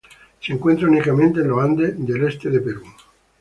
Se encuentra únicamente en los Andes del este de Perú.